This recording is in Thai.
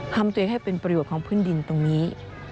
ทำตัวเองให้เป็นประโยชน์ของพื้นดินตรงนี้